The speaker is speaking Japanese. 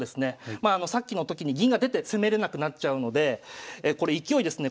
まあさっきのときに銀が出て攻めれなくなっちゃうのでこれ勢いですね